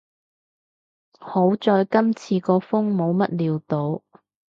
好在今次個風冇乜料到